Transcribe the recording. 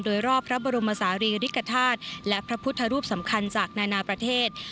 โดยรอบพระบรมศาลีริกฐาตุและพระพุทธรูปสำคัญจากนานาประเทศ